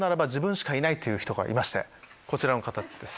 こちらの方です。